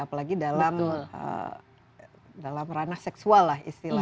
apalagi dalam ranah seksual lah istilahnya